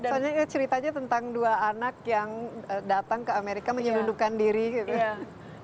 soalnya ceritanya tentang dua anak yang datang ke amerika menyelundupkan diri gitu